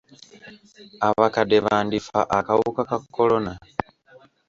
Abakadde bandifa akawuka ka kolona.